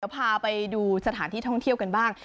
พาไปดูสถานที่ท่องเที่ยวกันบ้าง